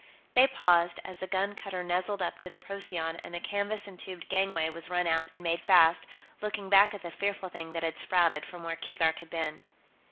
They paused, as the gun cutter nuzzled up to the Procyon and the canvas entubed gangway was run out and made fast, looking back at the fearful thing that had sprouted from where Keegark had been.